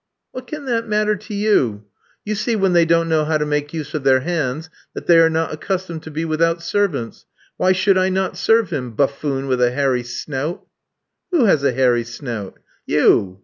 "What can that matter to you? You see when they don't know how to make use of their hands that they are not accustomed to be without servants. Why should I not serve him, buffoon with a hairy snout?" "Who has a hairy snout?" "You!"